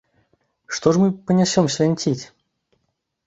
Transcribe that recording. Што ж мы панясём свянціць?